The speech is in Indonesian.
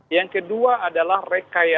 yang kedua adalah rekayat